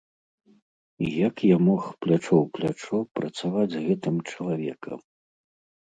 І як я мог плячо ў плячо працаваць з гэтым чалавекам?